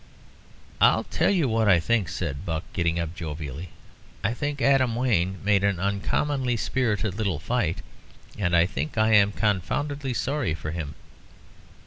"I'll tell you what I think," said Buck, getting up jovially. "I think Adam Wayne made an uncommonly spirited little fight; and I think I am confoundedly sorry for him."